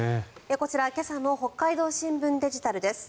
こちら今朝の北海道新聞デジタルです。